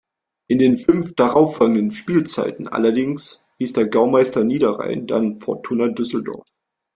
In den fünf darauffolgenden Spielzeiten allerdings hieß der Gaumeister Niederrhein dann Fortuna Düsseldorf.